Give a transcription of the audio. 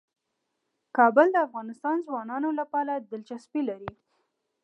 کابل د افغان ځوانانو لپاره دلچسپي لري.